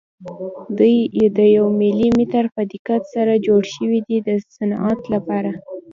دوی د یو ملي متر په دقت سره جوړ شوي دي د صنعت لپاره.